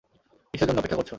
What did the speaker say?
কিসের জন্য অপেক্ষা করছ?